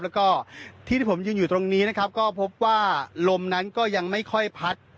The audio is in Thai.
แล้วก็ที่ที่ผมยืนอยู่ตรงนี้นะครับก็พบว่าลมนั้นก็ยังไม่ค่อยพัด